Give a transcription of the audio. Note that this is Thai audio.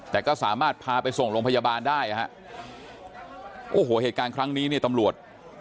แต่ก็สามารถพาไปส่งโรงพยาบาลได้นะฮะโอ้โหเหตุการณ์ครั้งนี้เนี่ยตำรวจ